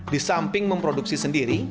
di samping memproduksi sendiri